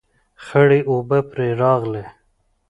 خړې اوبه پرې راغلې